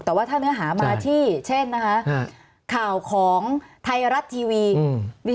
แต่ว่าถ้าเนื้อหามาที่เช่นนะคะข่าวของไทยรัฐทีวี